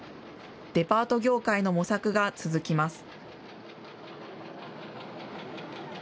デパート業界の模索が続きます。